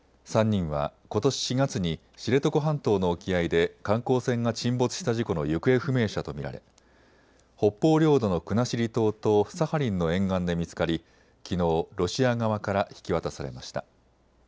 ３人はことし４月に知床半島の沖合で観光船が沈没した事故の行方不明者と見られ、北方領土の国後島とサハリンの沿岸で見つかり、きのうロシア側から引き渡されました。